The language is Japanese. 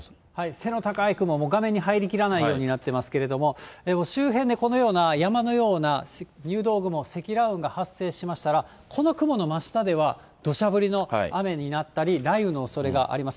背の高い雲、もう画面に入りきらないようになってますけれども、周辺でこのような、山のような入道雲、積乱雲が発生しましたら、この雲の真下ではどしゃ降りの雨になったり、雷雨のおそれがあります。